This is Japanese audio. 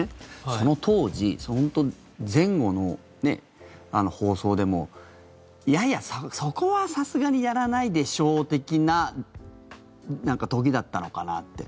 その当時、前後の放送でもいやいや、そこはさすがにやらないでしょう的な時だったのかなって。